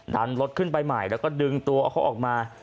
ดันรถขึ้นไปใหม่แล้วก็ดึงตัวเอาเขาออกมา